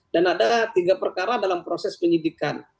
dan ada tiga perkara dalam proses penyidikan